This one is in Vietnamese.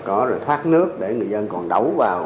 có rồi thoát nước để người dân còn đấu vào